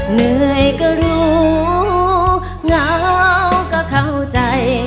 เหนื่อยก็รู้เหงาก็เข้าใจ